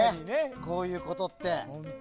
こういうことって。